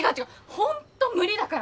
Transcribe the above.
本当無理だから！